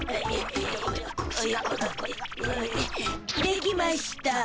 できましゅた。